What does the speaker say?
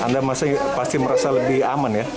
anda masih merasa lebih aman ya